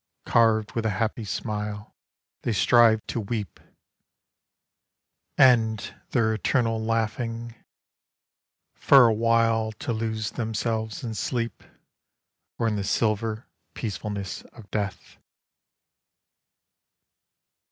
Carved with a happy smile They strive to weep ...— End their eternal laughing — for awhile To lose themselves in sleep Or in the silver peacefulness of death.